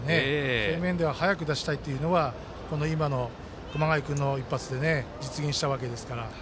そういう面では早く出したいというのは今の熊谷君の一発で実現したわけですから。